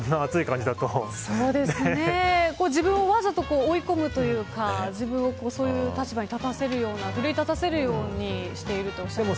自分をわざと追い込むというかそういう立場に立たせるような奮い立たせるようにしているとおっしゃってましたね。